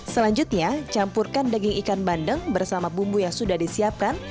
selanjutnya campurkan daging ikan bandeng bersama bumbu yang sudah disiapkan